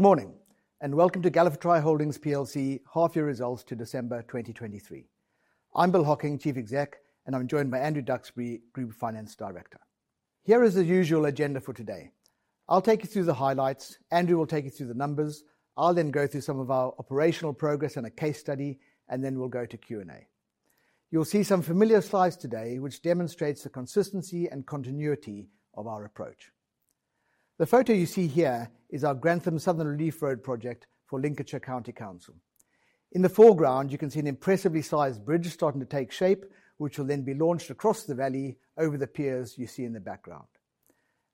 Good morning, and welcome to Galliford Try Holdings plc half-year results to December 2023. I'm Bill Hocking, Chief Exec, and I'm joined by Andrew Duxbury, Group Finance Director. Here is the usual agenda for today. I'll take you through the highlights, Andrew will take you through the numbers, I'll then go through some of our operational progress and a case study, and then we'll go to Q&A. You'll see some familiar slides today which demonstrate the consistency and continuity of our approach. The photo you see here is our Grantham Southern Relief Road project for Lincolnshire County Council. In the foreground, you can see an impressively sized bridge starting to take shape, which will then be launched across the valley over the piers you see in the background.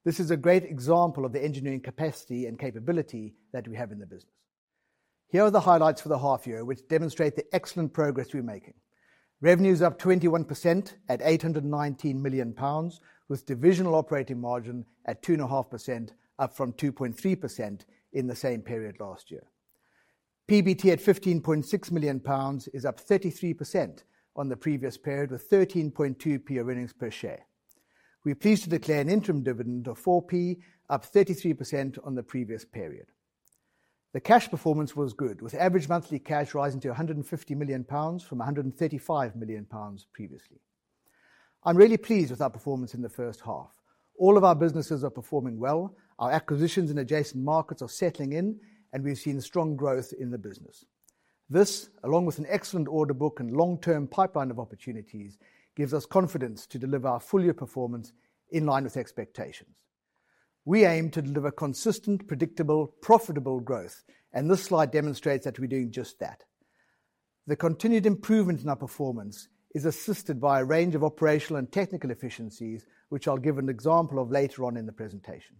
This is a great example of the engineering capacity and capability that we have in the business. Here are the highlights for the half-year which demonstrate the excellent progress we're making. Revenue is up 21% at 819 million pounds, with divisional operating margin at 2.5%, up from 2.3% in the same period last year. PBT at 15.6 million pounds is up 33% on the previous period, with 13.2p earnings per share. We're pleased to declare an interim dividend of 4p, up 33% on the previous period. The cash performance was good, with average monthly cash rising to 150 million pounds from 135 million pounds previously. I'm really pleased with our performance in the first half. All of our businesses are performing well, our acquisitions in adjacent markets are settling in, and we've seen strong growth in the business. This, along with an excellent order book and long-term pipeline of opportunities, gives us confidence to deliver our full-year performance in line with expectations. We aim to deliver consistent, predictable, profitable growth, and this slide demonstrates that we're doing just that. The continued improvement in our performance is assisted by a range of operational and technical efficiencies which I'll give an example of later on in the presentation.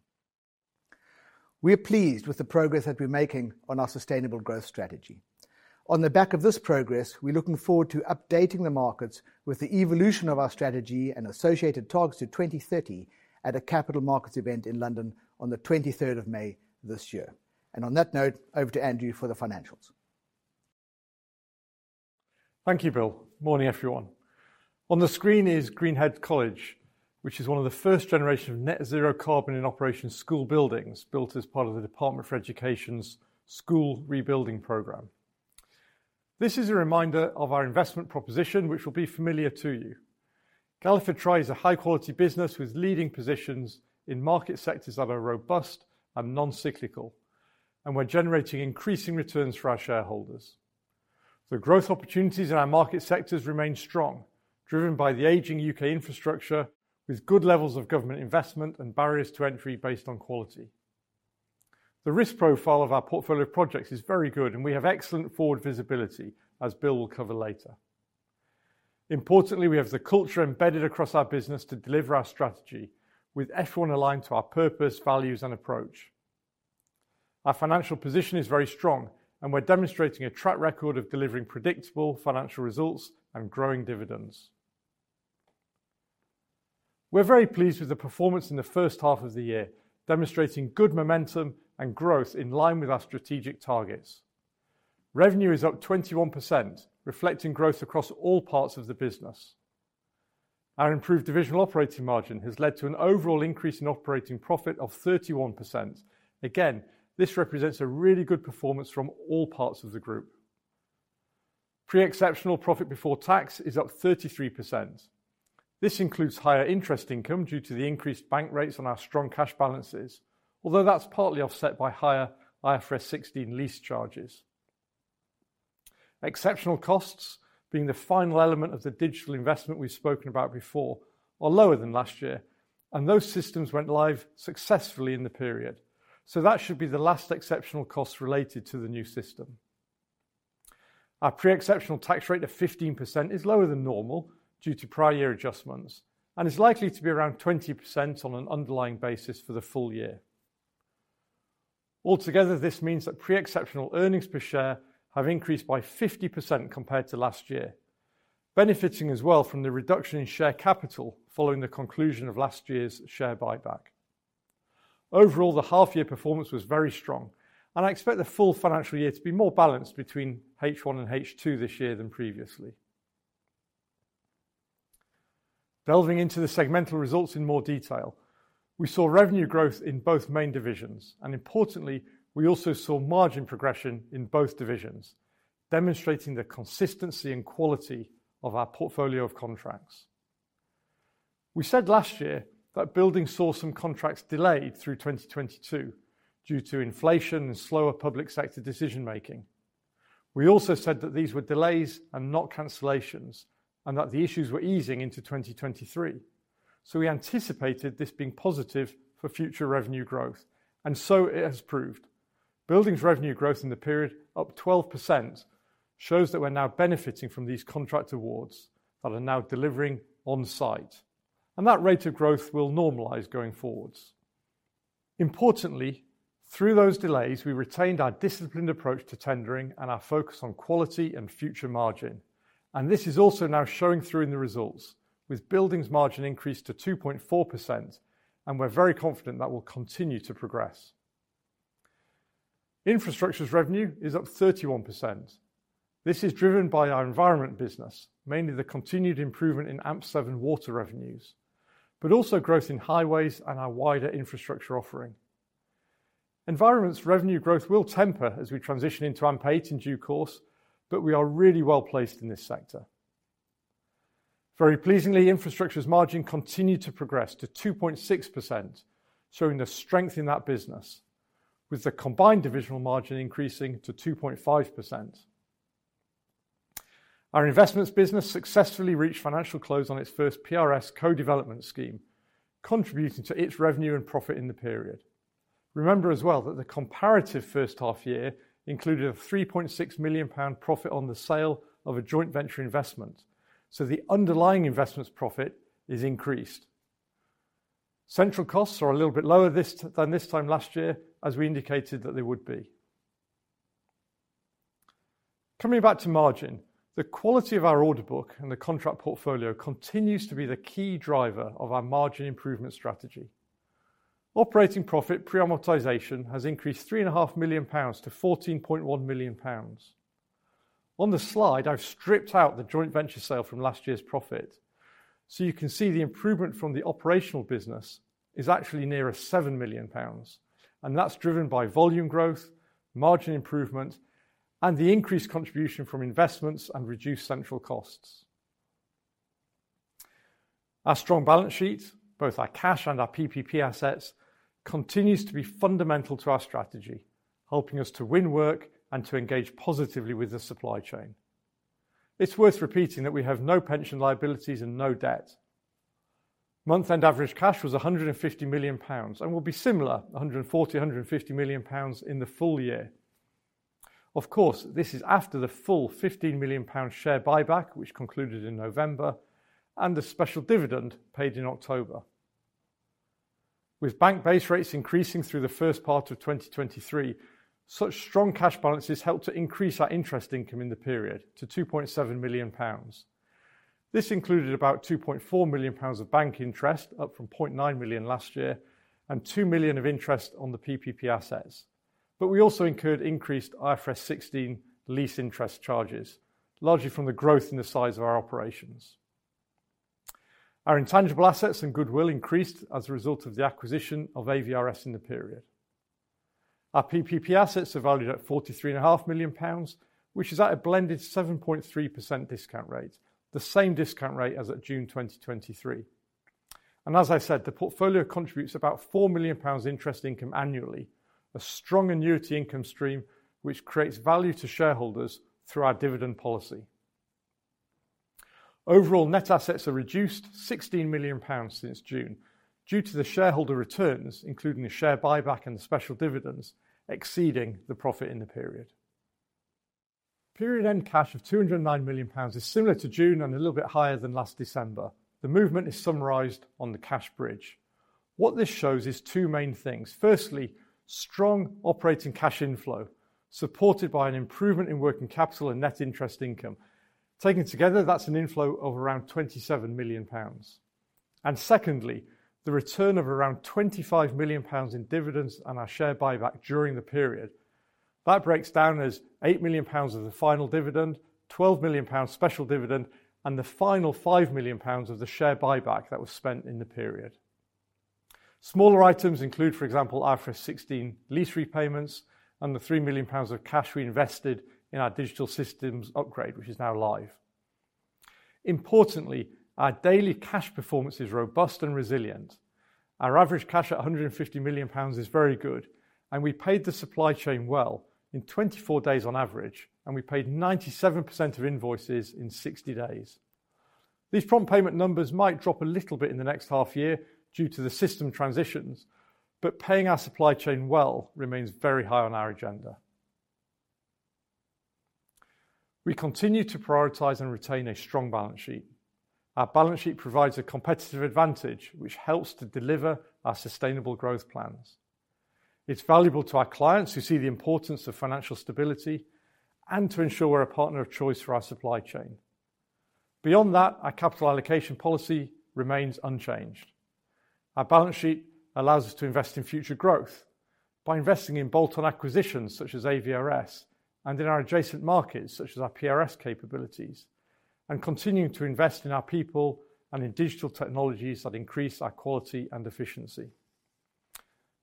We're pleased with the progress that we're making on our sustainable growth strategy. On the back of this progress, we're looking forward to updating the markets with the evolution of our strategy and associated targets to 2030 at a capital markets event in London on the 23rd of May this year. And on that note, over to Andrew for the financials. Thank you, Bill. Morning, everyone. On the screen is Greenhead College, which is one of the first generation of net-zero carbon in operation school buildings built as part of the Department for Education's School Rebuilding Programme. This is a reminder of our investment proposition which will be familiar to you. Galliford Try is a high-quality business with leading positions in market sectors that are robust and non-cyclical, and we're generating increasing returns for our shareholders. The growth opportunities in our market sectors remain strong, driven by the aging UK infrastructure with good levels of government investment and barriers to entry based on quality. The risk profile of our portfolio projects is very good, and we have excellent forward visibility, as Bill will cover later. Importantly, we have the culture embedded across our business to deliver our strategy, with everyone aligned to our purpose, values, and approach. Our financial position is very strong, and we're demonstrating a track record of delivering predictable financial results and growing dividends. We're very pleased with the performance in the first half of the year, demonstrating good momentum and growth in line with our strategic targets. Revenue is up 21%, reflecting growth across all parts of the business. Our improved divisional operating margin has led to an overall increase in operating profit of 31%. Again, this represents a really good performance from all parts of the group. Pre-exceptional profit before tax is up 33%. This includes higher interest income due to the increased bank rates on our strong cash balances, although that's partly offset by higher IFRS 16 lease charges. Exceptional costs, being the final element of the digital investment we've spoken about before, are lower than last year, and those systems went live successfully in the period, so that should be the last exceptional costs related to the new system. Our pre-exceptional tax rate of 15% is lower than normal due to prior year adjustments and is likely to be around 20% on an underlying basis for the full year. Altogether, this means that pre-exceptional earnings per share have increased by 50% compared to last year, benefiting as well from the reduction in share capital following the conclusion of last year's share buyback. Overall, the half-year performance was very strong, and I expect the full financial year to be more balanced between H1 and H2 this year than previously. Delving into the segmental results in more detail, we saw revenue growth in both main divisions, and importantly, we also saw margin progression in both divisions, demonstrating the consistency and quality of our portfolio of contracts. We said last year that building saw some contracts delayed through 2022 due to inflation and slower public sector decision-making. We also said that these were delays and not cancellations, and that the issues were easing into 2023, so we anticipated this being positive for future revenue growth, and so it has proved. Building's revenue growth in the period, up 12%, shows that we're now benefiting from these contract awards that are now delivering on-site, and that rate of growth will normalize going forward. Importantly, through those delays, we retained our disciplined approach to tendering and our focus on quality and future margin, and this is also now showing through in the results, with building's margin increased to 2.4%, and we're very confident that will continue to progress. Infrastructure's revenue is up 31%. This is driven by our environment business, mainly the continued improvement in AMP7 water revenues, but also growth in highways and our wider infrastructure offering. Environment's revenue growth will temper as we transition into AMP8 in due course, but we are really well placed in this sector. Very pleasingly, infrastructure's margin continued to progress to 2.6%, showing the strength in that business, with the combined divisional margin increasing to 2.5%. Our investments business successfully reached financial close on its first PRS co-development scheme, contributing to its revenue and profit in the period. Remember as well that the comparative first half-year included a 3.6 million pound profit on the sale of a joint venture investment, so the underlying investments profit is increased. Central costs are a little bit lower than this time last year, as we indicated that they would be. Coming back to margin, the quality of our order book and the contract portfolio continues to be the key driver of our margin improvement strategy. Operating profit pre-amortization has increased 3.5 million pounds to 14.1 million pounds. On the slide, I've stripped out the joint venture sale from last year's profit, so you can see the improvement from the operational business is actually nearer 7 million pounds, and that's driven by volume growth, margin improvement, and the increased contribution from investments and reduced central costs. Our strong balance sheet, both our cash and our PPP assets, continues to be fundamental to our strategy, helping us to win work and to engage positively with the supply chain. It's worth repeating that we have no pension liabilities and no debt. Month-end average cash was 150 million pounds and will be similar, 140 million-150 million pounds in the full year. Of course, this is after the full 15 million pounds share buyback, which concluded in November, and the special dividend paid in October. With bank base rates increasing through the first part of 2023, such strong cash balances helped to increase our interest income in the period to 2.7 million pounds. This included about 2.4 million pounds of bank interest, up from 0.9 million last year, and 2 million of interest on the PPP assets, but we also incurred increased IFRS 16 lease interest charges, largely from the growth in the size of our operations. Our intangible assets and goodwill increased as a result of the acquisition of AVRS in the period. Our PPP assets are valued at 43.5 million pounds, which is at a blended 7.3% discount rate, the same discount rate as at June 2023. And as I said, the portfolio contributes about 4 million pounds interest income annually, a strong annuity income stream which creates value to shareholders through our dividend policy. Overall, net assets are reduced 16 million pounds since June due to the shareholder returns, including the share buyback and the special dividends, exceeding the profit in the period. Period-end cash of 209 million pounds is similar to June and a little bit higher than last December. The movement is summarized on the cash bridge. What this shows is two main things. Firstly, strong operating cash inflow supported by an improvement in working capital and net interest income. Taken together, that's an inflow of around 27 million pounds. And secondly, the return of around 25 million pounds in dividends and our share buyback during the period. That breaks down as 8 million pounds of the final dividend, 12 million pounds special dividend, and the final 5 million pounds of the share buyback that was spent in the period. Smaller items include, for example, IFRS 16 lease repayments and the 3 million pounds of cash we invested in our digital systems upgrade, which is now live. Importantly, our daily cash performance is robust and resilient. Our average cash at 150 million pounds is very good, and we paid the supply chain well in 24 days on average, and we paid 97% of invoices in 60 days. These prompt payment numbers might drop a little bit in the next half-year due to the system transitions, but paying our supply chain well remains very high on our agenda. We continue to prioritize and retain a strong balance sheet. Our balance sheet provides a competitive advantage, which helps to deliver our sustainable growth plans. It's valuable to our clients who see the importance of financial stability and to ensure we're a partner of choice for our supply chain. Beyond that, our capital allocation policy remains unchanged. Our balance sheet allows us to invest in future growth by investing in bolt-on acquisitions such as AVRS and in our adjacent markets such as our PRS capabilities, and continuing to invest in our people and in digital technologies that increase our quality and efficiency.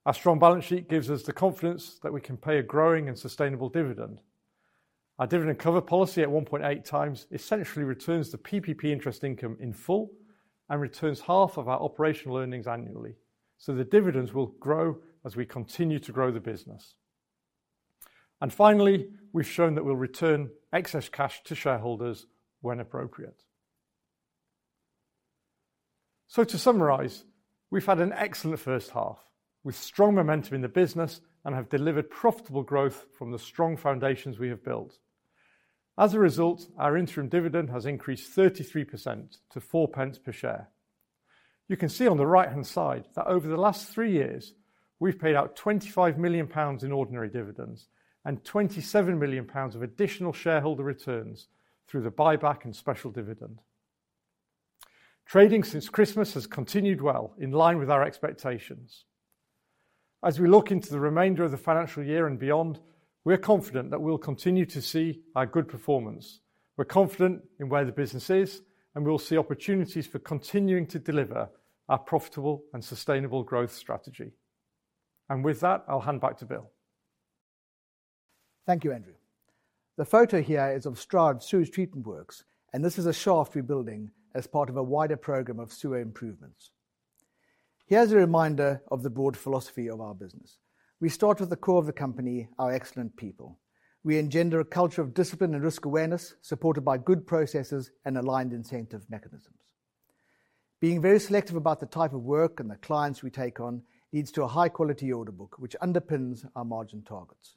Our strong balance sheet gives us the confidence that we can pay a growing and sustainable dividend. Our dividend cover policy at 1.8 times essentially returns the PPP interest income in full and returns half of our operational earnings annually, so the dividends will grow as we continue to grow the business. And finally, we've shown that we'll return excess cash to shareholders when appropriate. So to summarize, we've had an excellent first half with strong momentum in the business and have delivered profitable growth from the strong foundations we have built. As a result, our interim dividend has increased 33% to four pence per share. You can see on the right-hand side that over the last three years, we've paid out 25 million pounds in ordinary dividends and 27 million pounds of additional shareholder returns through the buyback and special dividend. Trading since Christmas has continued well in line with our expectations. As we look into the remainder of the financial year and beyond, we're confident that we'll continue to see our good performance. We're confident in where the business is, and we'll see opportunities for continuing to deliver our profitable and sustainable growth strategy. With that, I'll hand back to Bill. Thank you, Andrew. The photo here is of Stroud Sewage Treatment Works, and this is a shaft we're building as part of a wider program of sewer improvements. Here's a reminder of the broad philosophy of our business. We start with the core of the company, our excellent people. We engender a culture of discipline and risk awareness supported by good processes and aligned incentive mechanisms. Being very selective about the type of work and the clients we take on leads to a high-quality order book, which underpins our margin targets.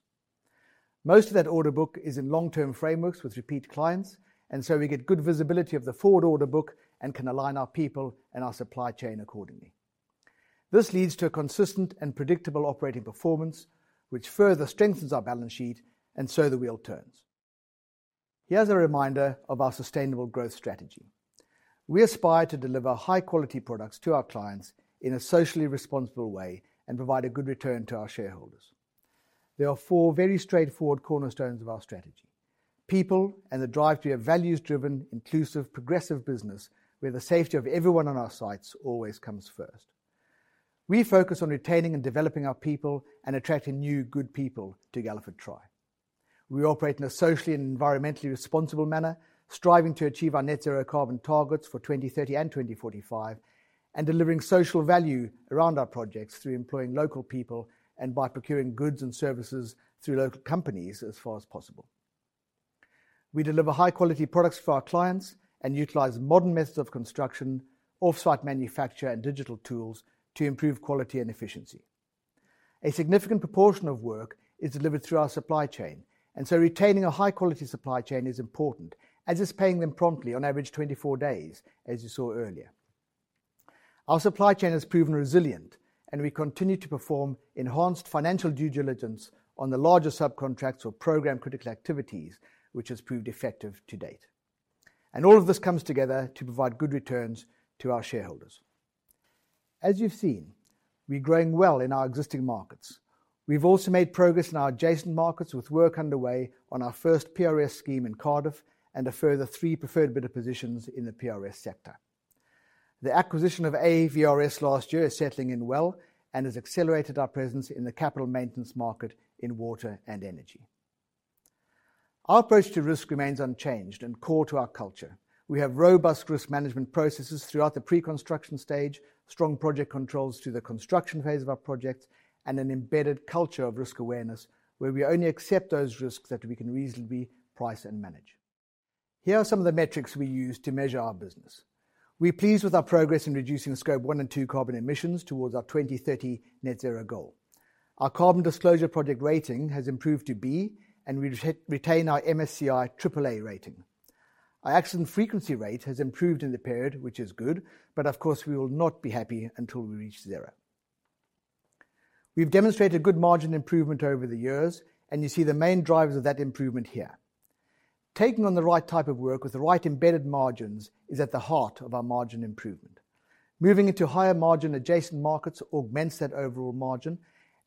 Most of that order book is in long-term frameworks with repeat clients, and so we get good visibility of the forward order book and can align our people and our supply chain accordingly. This leads to a consistent and predictable operating performance, which further strengthens our balance sheet, and so the wheel turns. Here's a reminder of our sustainable growth strategy. We aspire to deliver high-quality products to our clients in a socially responsible way and provide a good return to our shareholders. There are four very straightforward cornerstones of our strategy: people and the drive to a values-driven, inclusive, progressive business where the safety of everyone on our sites always comes first. We focus on retaining and developing our people and attracting new, good people to Galliford Try. We operate in a socially and environmentally responsible manner, striving to achieve our net zero carbon targets for 2030 and 2045, and delivering social value around our projects through employing local people and by procuring goods and services through local companies as far as possible. We deliver high-quality products for our clients and utilize modern methods of construction, off-site manufacture, and digital tools to improve quality and efficiency. A significant proportion of work is delivered through our supply chain, and so retaining a high-quality supply chain is important, as is paying them promptly, on average 24 days, as you saw earlier. Our supply chain has proven resilient, and we continue to perform enhanced financial due diligence on the larger subcontracts or program-critical activities, which has proved effective to date. All of this comes together to provide good returns to our shareholders. As you've seen, we're growing well in our existing markets. We've also made progress in our adjacent markets with work underway on our first PRS scheme in Cardiff and a further three preferred bidder positions in the PRS sector. The acquisition of AVRS last year is settling in well and has accelerated our presence in the capital maintenance market in water and energy. Our approach to risk remains unchanged and core to our culture. We have robust risk management processes throughout the pre-construction stage, strong project controls through the construction phase of our projects, and an embedded culture of risk awareness where we only accept those risks that we can reasonably price and manage. Here are some of the metrics we use to measure our business. We're pleased with our progress in reducing Scope 1 and 2 carbon emissions towards our 2030 Net Zero goal. Our Carbon Disclosure Project rating has improved to B, and we retain our MSCI AAA rating. Our accident frequency rate has improved in the period, which is good, but of course, we will not be happy until we reach zero. We've demonstrated good margin improvement over the years, and you see the main drivers of that improvement here. Taking on the right type of work with the right embedded margins is at the heart of our margin improvement. Moving into higher margin adjacent markets augments that overall margin,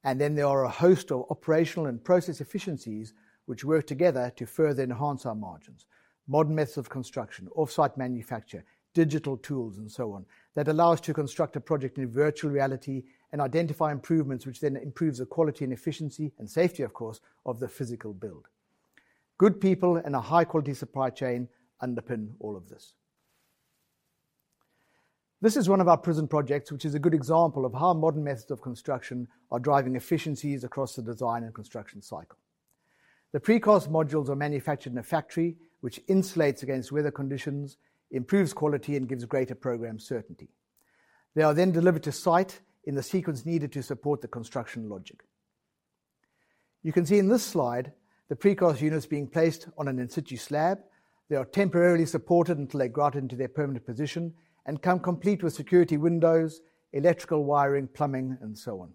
and then there are a host of operational and process efficiencies which work together to further enhance our margins: modern methods of construction, off-site manufacture, digital tools, and so on, that allow us to construct a project in virtual reality and identify improvements, which then improves the quality and efficiency and safety, of course, of the physical build. Good people and a high-quality supply chain underpin all of this. This is one of our prison projects, which is a good example of how modern methods of construction are driving efficiencies across the design and construction cycle. The precast modules are manufactured in a factory, which insulates against weather conditions, improves quality, and gives greater program certainty. They are then delivered to site in the sequence needed to support the construction logic. You can see in this slide the precast units being placed on an in-situ slab. They are temporarily supported until they're grouted into their permanent position and come complete with security windows, electrical wiring, plumbing, and so on.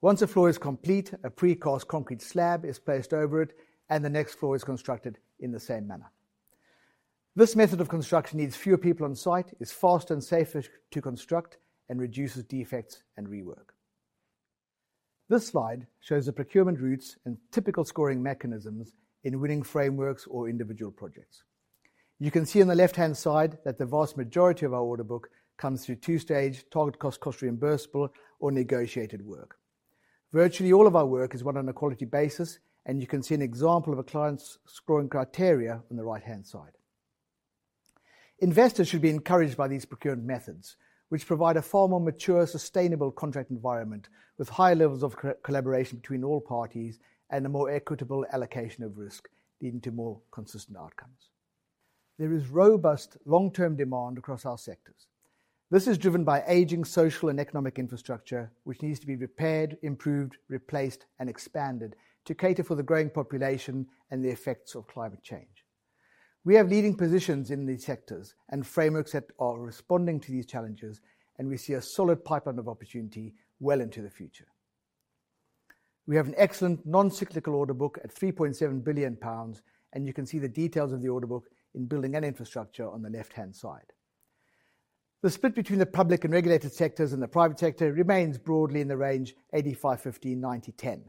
Once a floor is complete, a precast concrete slab is placed over it, and the next floor is constructed in the same manner. This method of construction needs fewer people on site, is fast and safer to construct, and reduces defects and rework. This slide shows the procurement routes and typical scoring mechanisms in winning frameworks or individual projects. You can see on the left-hand side that the vast majority of our order book comes through two-stage target cost cost reimbursable or negotiated work. Virtually all of our work is run on a quality basis, and you can see an example of a client's scoring criteria on the right-hand side. Investors should be encouraged by these procurement methods, which provide a far more mature, sustainable contract environment with higher levels of collaboration between all parties and a more equitable allocation of risk leading to more consistent outcomes. There is robust long-term demand across our sectors. This is driven by aging social and economic infrastructure, which needs to be repaired, improved, replaced, and expanded to cater for the growing population and the effects of climate change. We have leading positions in these sectors and frameworks that are responding to these challenges, and we see a solid pipeline of opportunity well into the future. We have an excellent non-cyclical order book at 3.7 billion pounds, and you can see the details of the order book in building and infrastructure on the left-hand side. The split between the public and regulated sectors and the private sector remains broadly in the range 85%-15%-90%-10%.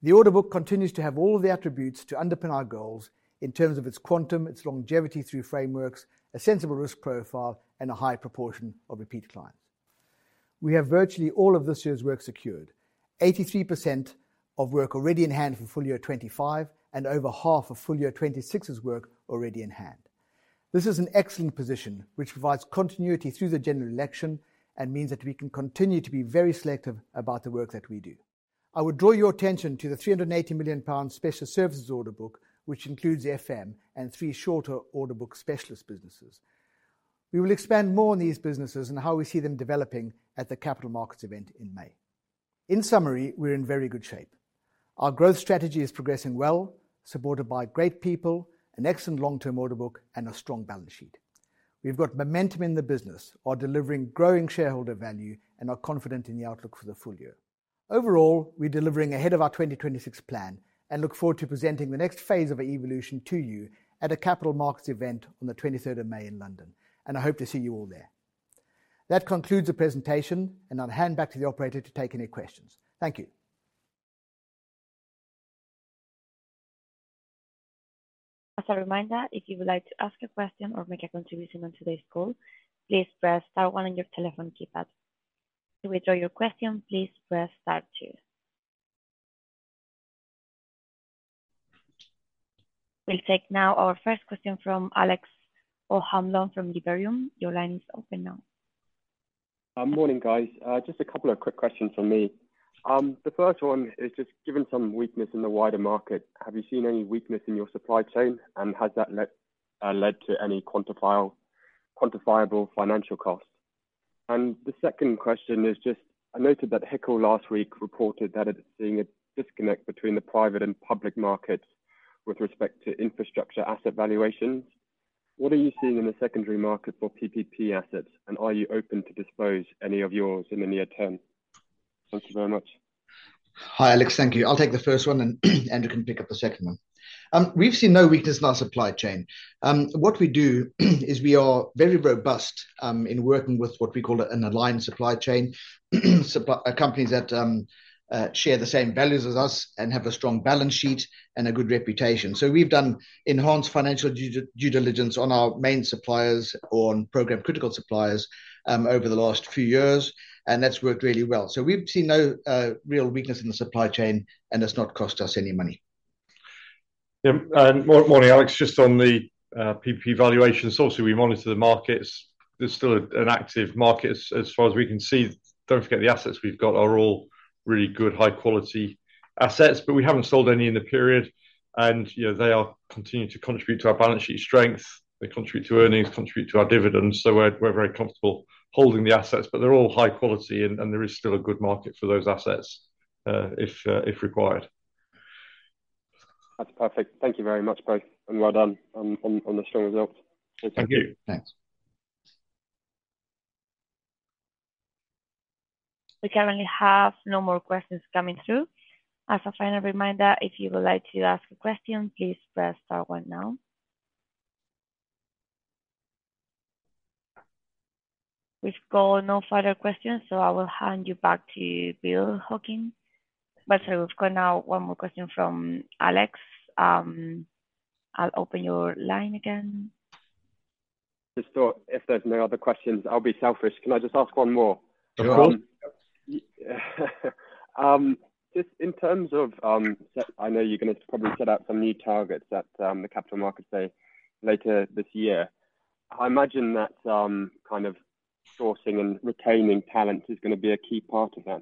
The order book continues to have all of the attributes to underpin our goals in terms of its quantum, its longevity through frameworks, a sensible risk profile, and a high proportion of repeat clients. We have virtually all of this year's work secured: 83% of work already in hand for full year 2025 and over half of full year 2026's work already in hand. This is an excellent position, which provides continuity through the general election and means that we can continue to be very selective about the work that we do. I would draw your attention to the 380 million pounds special services order book, which includes FM and three shorter order book specialist businesses. We will expand more on these businesses and how we see them developing at the capital markets event in May. In summary, we're in very good shape. Our growth strategy is progressing well, supported by great people, an excellent long-term order book, and a strong balance sheet. We've got momentum in the business, are delivering growing shareholder value, and are confident in the outlook for the full year. Overall, we're delivering ahead of our 2026 plan and look forward to presenting the next phase of our evolution to you at a capital markets event on the 23rd of May in London, and I hope to see you all there. That concludes the presentation, and I'll hand back to the operator to take any questions. Thank you. As a reminder, if you would like to ask a question or make a contribution on today's call, please press star one on your telephone keypad. To withdraw your question, please press star two. We'll take now our first question from Alex O'Hanlon from Liberum. Your line is open now. Morning, guys. Just a couple of quick questions from me. The first one is just given some weakness in the wider market, have you seen any weakness in your supply chain, and has that led to any quantifiable financial costs? And the second question is just I noted that HICL last week reported that it's seeing a disconnect between the private and public markets with respect to infrastructure asset valuations. What are you seeing in the secondary market for PPP assets, and are you open to dispose of any of yours in the near term? Thank you very much. Hi, Alex. Thank you. I'll take the first one, and Andrew can pick up the second one. We've seen no weakness in our supply chain. What we do is we are very robust in working with what we call an aligned supply chain, companies that share the same values as us and have a strong balance sheet and a good reputation. So we've done enhanced financial due diligence on our main suppliers or on programme-critical suppliers over the last few years, and that's worked really well. So we've seen no real weakness in the supply chain, and it's not cost us any money. Yeah. Morning, Alex. Just on the PPP valuations, obviously, we monitor the markets. There's still an active market as far as we can see. Don't forget the assets we've got are all really good, high-quality assets, but we haven't sold any in the period. They continue to contribute to our balance sheet strength. They contribute to earnings, contribute to our dividends. We're very comfortable holding the assets, but they're all high quality, and there is still a good market for those assets if required. That's perfect. Thank you very much, both, and well done on the strong results. Thank you. Thanks. We currently have no more questions coming through. As a final reminder, if you would like to ask a question, please press star one now. We've got no further questions, so I will hand you back to Bill Hocking. But sorry, we've got now one more question from Alex. I'll open your line again. Just thought if there's no other questions, I'll be selfish. Can I just ask one more? Sure. Just in terms of I know you're going to probably set out some new targets at the capital markets day later this year. I imagine that kind of sourcing and retaining talent is going to be a key part of that.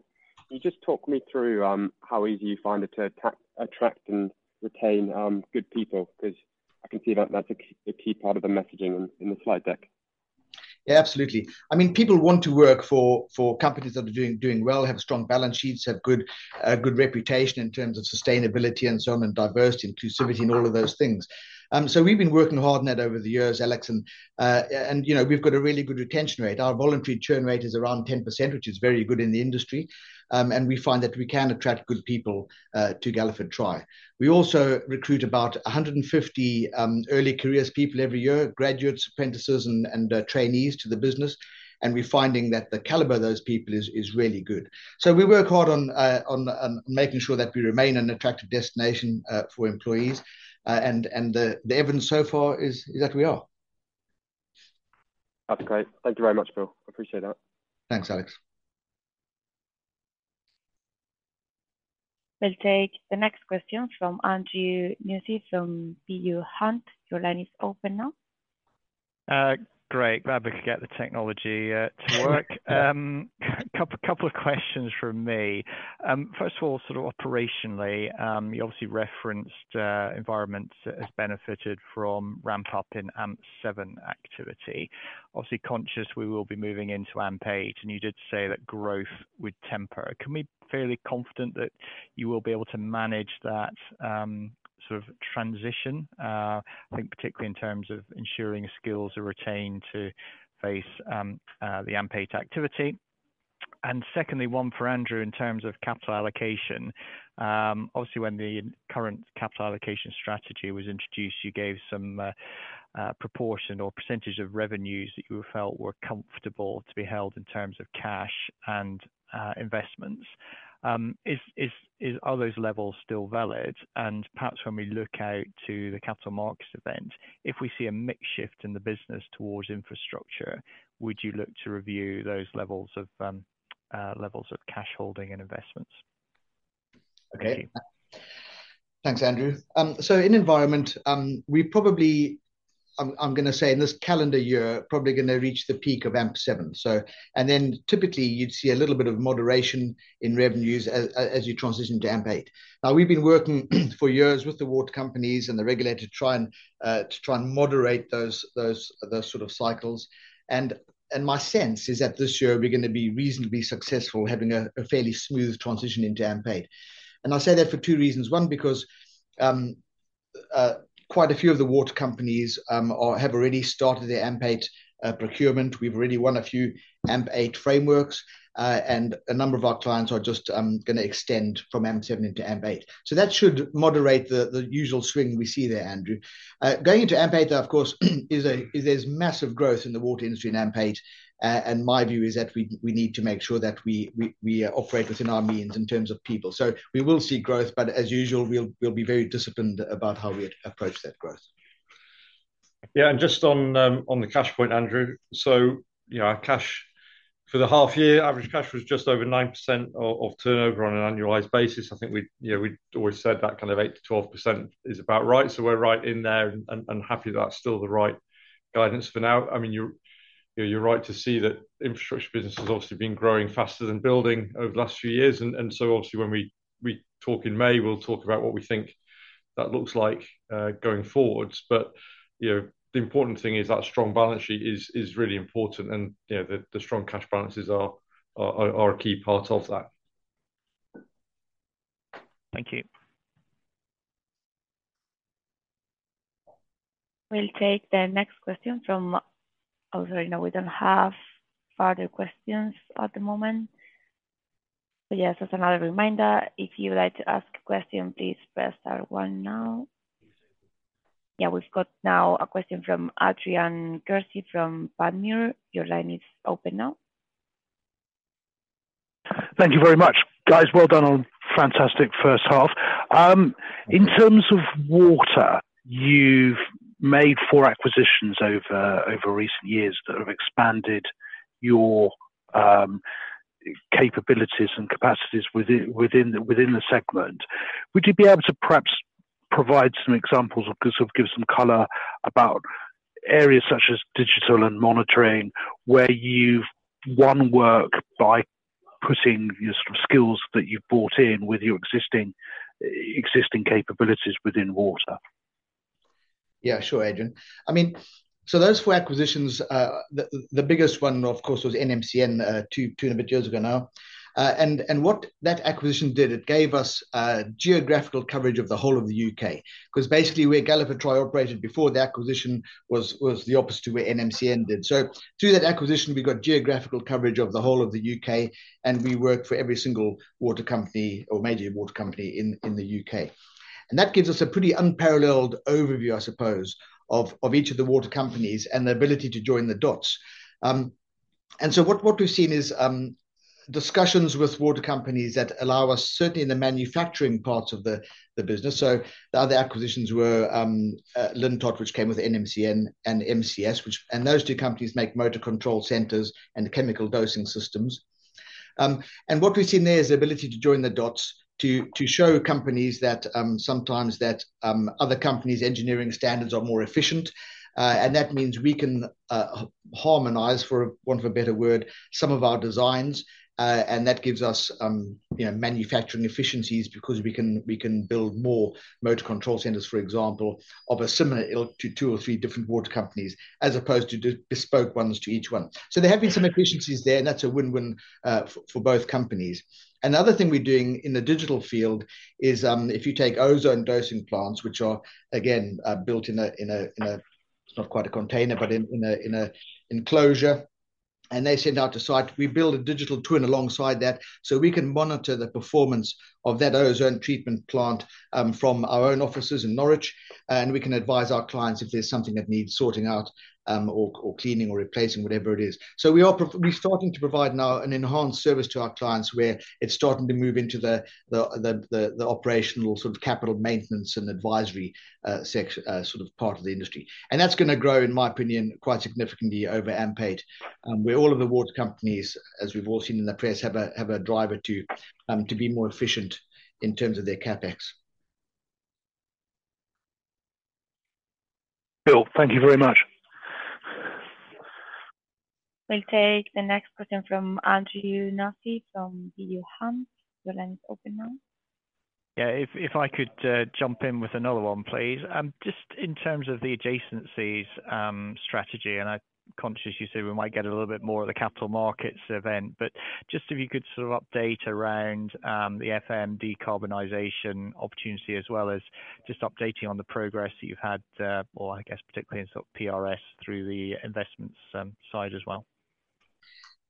Can you just talk me through how easy you find it to attract and retain good people? Because I can see that that's a key part of the messaging in the slide deck. Yeah, absolutely. I mean, people want to work for companies that are doing well, have strong balance sheets, have good reputation in terms of sustainability and so on, and diversity, inclusivity, and all of those things. So we've been working hard on that over the years, Alex, and we've got a really good retention rate. Our voluntary churn rate is around 10%, which is very good in the industry, and we find that we can attract good people to Galliford Try. We also recruit about 150 early-careers people every year, graduates, apprentices, and trainees to the business, and we're finding that the calibre of those people is really good. So we work hard on making sure that we remain an attractive destination for employees, and the evidence so far is that we are. That's great. Thank you very much, Bill. I appreciate that. Thanks, Alex. We'll take the next question from Andrew Nussey from Peel Hunt. Your line is open now. Great. Glad we could get the technology to work. A couple of questions from me. First of all, sort of operationally, you obviously referenced environments that have benefited from ramp-up in AMP7 activity. Obviously, conscious, we will be moving into AMP8, and you did say that growth would temper. Can we be fairly confident that you will be able to manage that sort of transition, I think, particularly in terms of ensuring skills are retained to face the AMP8 activity? And secondly, one for Andrew in terms of capital allocation. Obviously, when the current capital allocation strategy was introduced, you gave some proportion or percentage of revenues that you felt were comfortable to be held in terms of cash and investments. Are those levels still valid? Perhaps when we look out to the capital markets event, if we see a mixed shift in the business towards infrastructure, would you look to review those levels of cash holding and investments? Okay. Thanks, Andrew. So in environment, we're probably, I'm going to say, in this calendar year, probably going to reach the peak of AMP7. And then typically, you'd see a little bit of moderation in revenues as you transition to AMP8. Now, we've been working for years with the water companies and the regulator to try and moderate those sort of cycles. And my sense is that this year, we're going to be reasonably successful having a fairly smooth transition into AMP8. And I say that for two reasons. One, because quite a few of the water companies have already started their AMP8 procurement. We've already won a few AMP8 frameworks, and a number of our clients are just going to extend from AMP7 into AMP8. So that should moderate the usual swing we see there, Andrew. Going into AMP8, though, of course, there's massive growth in the water industry in AMP8, and my view is that we need to make sure that we operate within our means in terms of people. So we will see growth, but as usual, we'll be very disciplined about how we approach that growth. Yeah. Just on the cash point, Andrew, so our cash for the half-year, average cash was just over 9% of turnover on an annualized basis. I think we'd always said that kind of 8%-12% is about right. We're right in there and happy that that's still the right guidance for now. I mean, you're right to see that infrastructure business has obviously been growing faster than building over the last few years. So obviously, when we talk in May, we'll talk about what we think that looks like going forward. The important thing is that strong balance sheet is really important, and the strong cash balances are a key part of that. Thank you. We'll take the next question from others right now. We don't have further questions at the moment. But yes, as another reminder, if you would like to ask a question, please press star one now. Yeah, we've got now a question from Adrian Kearsey from Panmure Gordon. Your line is open now. Thank you very much. Guys, well done on fantastic first half. In terms of water, you've made 4 acquisitions over recent years that have expanded your capabilities and capacities within the segment. Would you be able to perhaps provide some examples or sort of give some colour about areas such as digital and monitoring where you've won work by putting your sort of skills that you've brought in with your existing capabilities within water? Yeah, sure, Adrian. I mean, so those four acquisitions, the biggest one, of course, was NMCN 2 and a bit years ago now. And what that acquisition did, it gave us geographical coverage of the whole of the UK because basically, where Galliford Try operated before the acquisition was the opposite to where NMCN did. So through that acquisition, we got geographical coverage of the whole of the UK, and we worked for every single water company or major water company in the UK. And that gives us a pretty unparalleled overview, I suppose, of each of the water companies and the ability to join the dots. And so what we've seen is discussions with water companies that allow us certainly in the manufacturing parts of the business. So the other acquisitions were Lintott, which came with NMCN, and MCS, and those two companies make motor control centers and chemical dosing systems. And what we've seen there is the ability to join the dots to show companies that sometimes other companies' engineering standards are more efficient. And that means we can harmonize, for want of a better word, some of our designs, and that gives us manufacturing efficiencies because we can build more motor control centers, for example, of a similar ilk to two or three different water companies as opposed to bespoke ones to each one. So there have been some efficiencies there, and that's a win-win for both companies. Another thing we're doing in the digital field is if you take ozone dosing plants, which are, again, built in a, it's not quite a container, but in an enclosure, and they send out to site, we build a digital twin alongside that so we can monitor the performance of that ozone treatment plant from our own offices in Norwich, and we can advise our clients if there's something that needs sorting out or cleaning or replacing, whatever it is. So we're starting to provide now an enhanced service to our clients where it's starting to move into the operational sort of capital maintenance and advisory sort of part of the industry. And that's going to grow, in my opinion, quite significantly over AMP8, where all of the water companies, as we've all seen in the press, have a driver to be more efficient in terms of their CapEx. Bill, thank you very much. We'll take the next question from Andrew Nussey from Peel Hunt. Your line is open now. Yeah, if I could jump in with another one, please. Just in terms of the adjacencies strategy, and I'm conscious you say we might get a little bit more of the capital markets event, but just if you could sort of update around the FM decarbonization opportunity as well as just updating on the progress that you've had, or I guess particularly in sort of PRS through the investments side as well.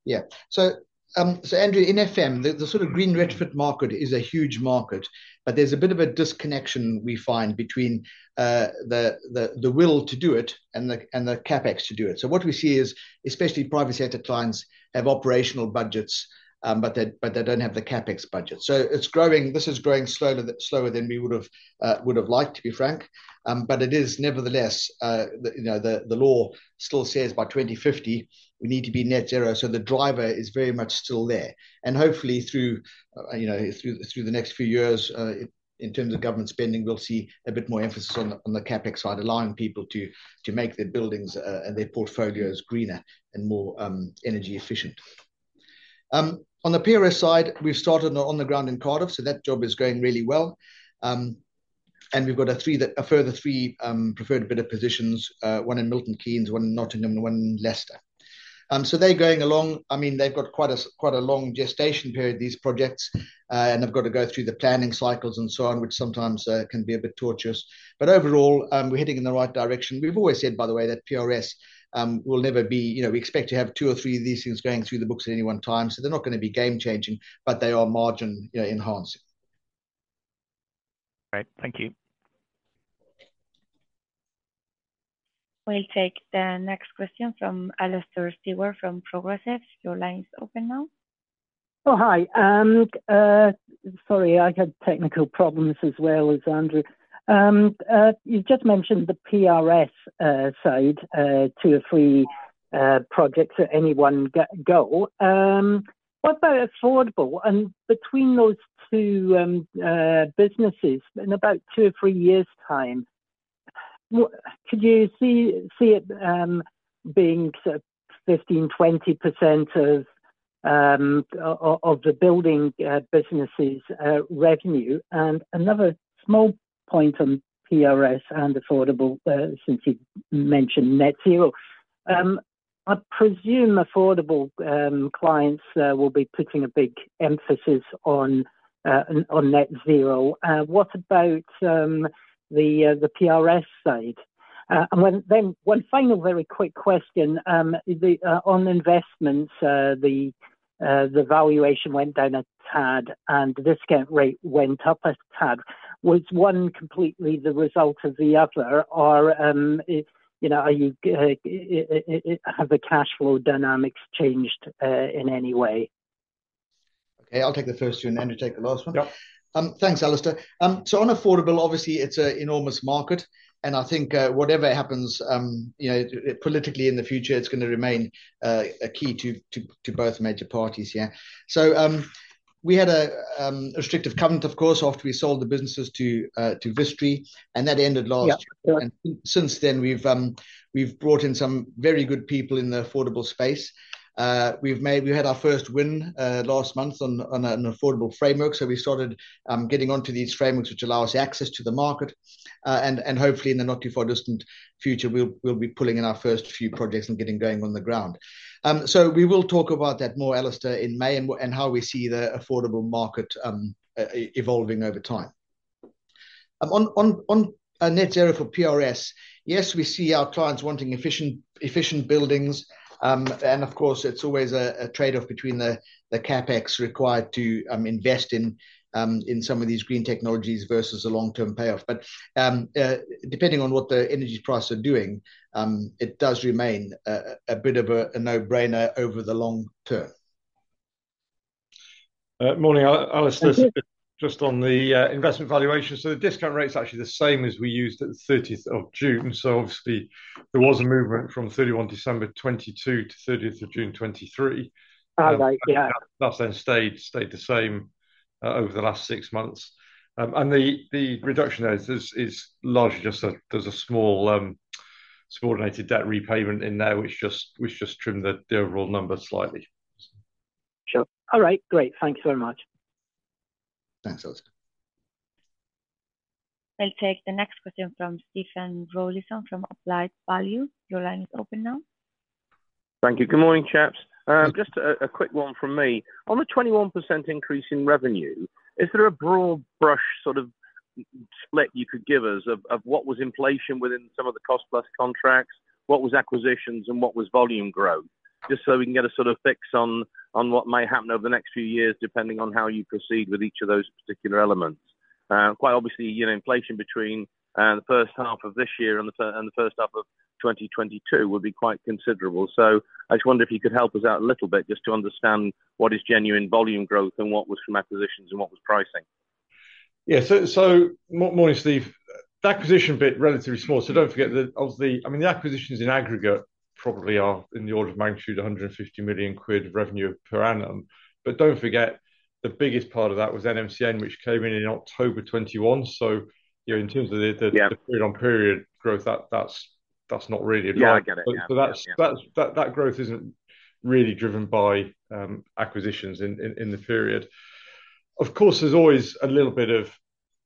Yeah. So Andrew, in FM, the sort of green retrofit market is a huge market, but there's a bit of a disconnection we find between the will to do it and the CapEx to do it. So what we see is especially private sector clients have operational budgets, but they don't have the CapEx budget. So this is growing slower than we would have liked to be frank. But it is nevertheless the law still says by 2050, we need to be Net Zero. So the driver is very much still there. And hopefully, through the next few years, in terms of government spending, we'll see a bit more emphasis on the CapEx side, allowing people to make their buildings and their portfolios greener and more energy efficient. On the PRS side, we've started on the ground in Cardiff, so that job is going really well. We've got a further three preferred bidder positions, one in Milton Keynes, one in Nottingham, and one in Leicester. So they're going along. I mean, they've got quite a long gestation period, these projects, and they've got to go through the planning cycles and so on, which sometimes can be a bit torturous. But overall, we're heading in the right direction. We've always said, by the way, that PRS will never be we expect to have two or three of these things going through the books at any one time. So they're not going to be game-changing, but they are margin enhancing. Great. Thank you. We'll take the next question from Alastair Stewart from Progressive. Your line is open now. Oh, hi. Sorry, I had technical problems as well as Andrew. You just mentioned the PRS side, two or three projects at any one go. What about affordable? And between those two businesses, in about two or three years' time, could you see it being sort of 15%-20% of the building businesses' revenue? And another small point on PRS and affordable, since you mentioned Net Zero, I presume affordable clients will be putting a big emphasis on Net Zero. What about the PRS side? And then one final very quick question. On investments, the valuation went down a tad, and the discount rate went up a tad. Was one completely the result of the other, or have the cash flow dynamics changed in any way? Okay, I'll take the first one and Andrew take the last one. Thanks, Alastair. So on affordable, obviously, it's an enormous market, and I think whatever happens politically in the future, it's going to remain a key to both major parties. So we had a restrictive covenant, of course, after we sold the businesses to Vistry, and that ended last year. And since then, we've brought in some very good people in the affordable space. We had our first win last month on an affordable framework. So we started getting onto these frameworks, which allow us access to the market. And hopefully, in the not too far distant future, we'll be pulling in our first few projects and getting going on the ground. So we will talk about that more, Alastair, in May and how we see the affordable market evolving over time. On Net Zero for PRS, yes, we see our clients wanting efficient buildings. Of course, it's always a trade-off between the CapEx required to invest in some of these green technologies versus a long-term payoff. But depending on what the energy prices are doing, it does remain a bit of a no-brainer over the long term. Morning, Alastair. Just on the investment valuation. So the discount rate's actually the same as we used at the 30th of June. So obviously, there was a movement from 31 December 2022 to 30th of June 2023. That's then stayed the same over the last six months. And the reduction there is largely just there's a small subordinated debt repayment in there, which just trimmed the overall number slightly. Sure. All right. Great. Thank you very much. Thanks, Alastair. We'll take the next question from Stephen Rawlinson from Applied Value. Your line is open now. Thank you. Good morning, chaps. Just a quick one from me. On the 21% increase in revenue, is there a broad brush sort of split you could give us of what was inflation within some of the cost-plus contracts, what was acquisitions, and what was volume growth? Just so we can get a sort of fix on what may happen over the next few years, depending on how you proceed with each of those particular elements. Quite obviously, inflation between the first half of this year and the first half of 2022 would be quite considerable. So I just wonder if you could help us out a little bit just to understand what is genuine volume growth and what was from acquisitions and what was pricing. Yeah. So morning, Steve. The acquisition bit is relatively small. So don't forget that obviously, I mean, the acquisitions in aggregate probably are in the order of magnitude 150 million quid revenue per annum. But don't forget the biggest part of that was NMCN, which came in in October 2021. So in terms of the period-on-period growth, that's not really a drive. So that growth isn't really driven by acquisitions in the period. Of course, there's always a little bit of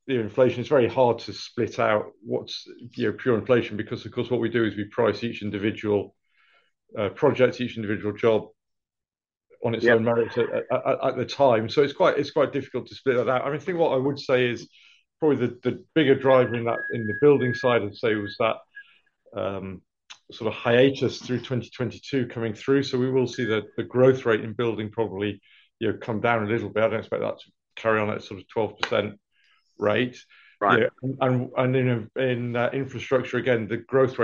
inflation. It's very hard to split out what's pure inflation because, of course, what we do is we price each individual project, each individual job on its own merits at the time. So it's quite difficult to split that out. I mean, I think what I would say is probably the bigger driver in the building side, I'd say, was that sort of hiatus through 2022 coming through. We will see the growth rate in building probably come down a little bit. I don't expect that to carry on at sort of 12% rate. In infrastructure, again, the growth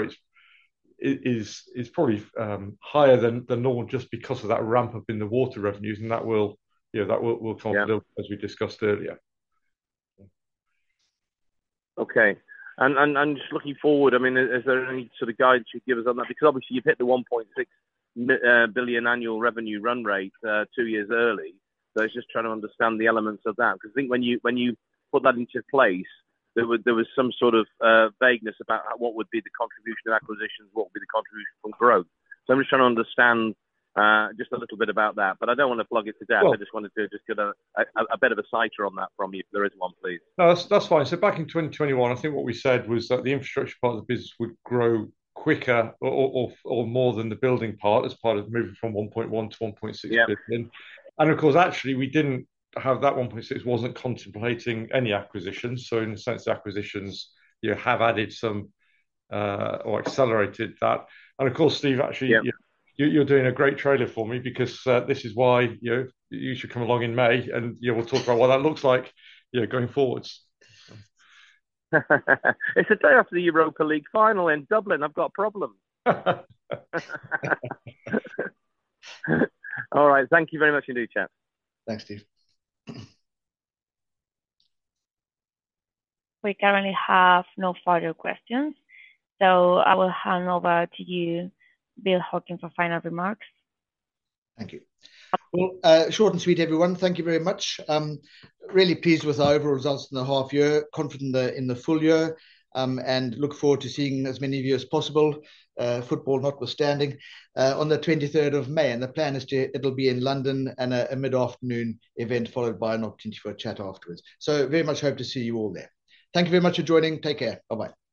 rate is probably higher than normal just because of that ramp-up in the water revenues, and that will come up a little bit as we discussed earlier. Okay. Just looking forward, I mean, is there any sort of guidance you'd give us on that? Because obviously, you've hit the 1.6 billion annual revenue run rate two years early. I was just trying to understand the elements of that because I think when you put that into place, there was some sort of vagueness about what would be the contribution of acquisitions, what would be the contribution from growth. I'm just trying to understand just a little bit about that. But I don't want to flog it to death. I just wanted to just get a bit of a sighter on that from you if there is one, please. No, that's fine. So back in 2021, I think what we said was that the infrastructure part of the business would grow quicker or more than the building part as part of moving from 1.1 billion-1.6 billion. And of course, actually, we didn't have that 1.6 billion. It wasn't contemplating any acquisitions. So in a sense, the acquisitions have added some or accelerated that. And of course, Steve, actually, you're doing a great trailer for me because this is why you should come along in May, and we'll talk about what that looks like going forward. It's a day after the Europa League final in Dublin. I've got problems. All right. Thank you very much indeed, chaps. Thanks, Steve. We currently have no further questions. I will hand over to you, Bill Hocking, for final remarks. Thank you. Short and sweet, everyone. Thank you very much. Really pleased with our overall results in the half-year, confident in the full year, and look forward to seeing as many of you as possible. Football notwithstanding. On the 23rd of May, and the plan is it'll be in London and a mid-afternoon event followed by an opportunity for a chat afterwards. So very much hope to see you all there. Thank you very much for joining. Take care. Bye-bye.